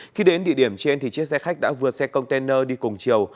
khi đến địa điểm trên chiếc xe khách đã vượt xe container đi cùng chiều